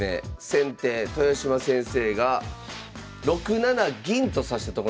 先手豊島先生が６七銀と指したところなんですが。